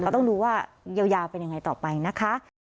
เราต้องดูว่าเยาเป็นอย่างไรต่อไปนะคะ